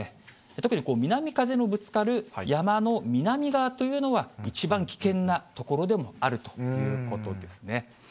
特に、南風のぶつかる山の南側というのは、一番危険な所でもあるということですね。